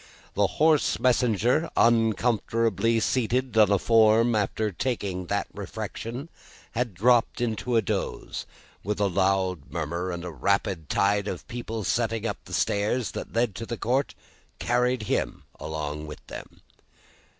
The hoarse messenger, uncomfortably seated on a form after taking that refection, had dropped into a doze, when a loud murmur and a rapid tide of people setting up the stairs that led to the court, carried him along with them.